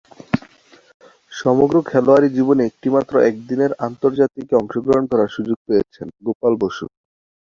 সমগ্র খেলোয়াড়ি জীবনে একটিমাত্র একদিনের আন্তর্জাতিকে অংশগ্রহণ করার সুযোগ পেয়েছেন গোপাল বসু।